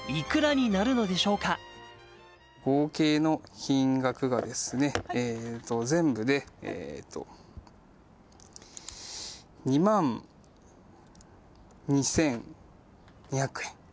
合計の金額がですね、全部で２万２２００円。